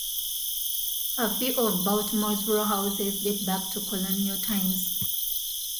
A few of Baltimore's row houses date back to colonial times.